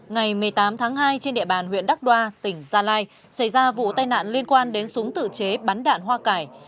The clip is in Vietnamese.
ngày một mươi tám tháng hai trên địa bàn huyện đắc đoa tỉnh gia lai xảy ra vụ tai nạn liên quan đến súng tự chế bắn đạn hoa cải